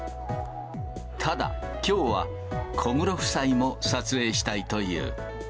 ただ、きょうは小室夫妻も撮影したいという。